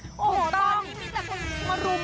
ต้องตอนนี่มีแต่คนมารุม